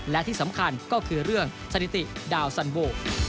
และที่สำคัญก็คือเรื่องสถิติดาวสันโว